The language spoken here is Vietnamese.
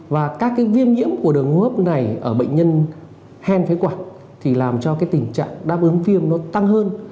và các viêm nhiễm của đường hô hấp này ở bệnh nhân hen phế quản làm cho tình trạng đáp ứng phim tăng hơn